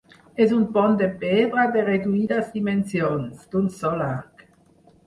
És un pont de pedra de reduïdes dimensions, d'un sol arc.